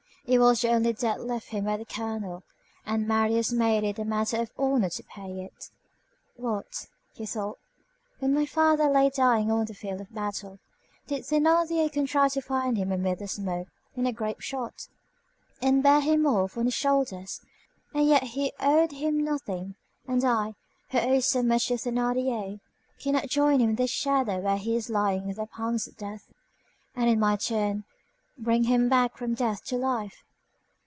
It was the only debt left him by the colonel, and Marius made it a matter of honor to pay it. "What," he thought, "when my father lay dying on the field of battle, did Thénardier contrive to find him amid the smoke and the grape shot, and bear him off on his shoulders, and yet he owed him nothing, and I, who owe so much to Thénardier, cannot join him in this shadow where he is lying in the pangs of death, and in my turn bring him back from death to life!